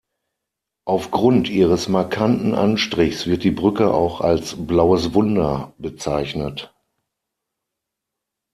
Aufgrund ihres markanten Anstrichs wird die Brücke auch als „Blaues Wunder“ bezeichnet.